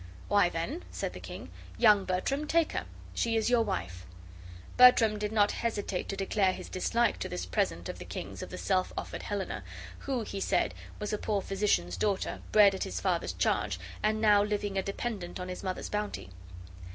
"Why, then," said the king, "young Bertram, take her; she is your wife." Bertram did not hesitate to declare his dislike to this present of the king's of the self offered Helena, who, he said, was a poor physician's daughter, bred at his father's charge, and now living a dependent on his mother's bounty.